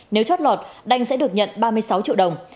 nếu chót lọt đành sẽ được nhận ba mươi sáu triệu đồng